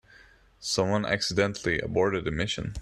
Someone accidentally aborted the mission.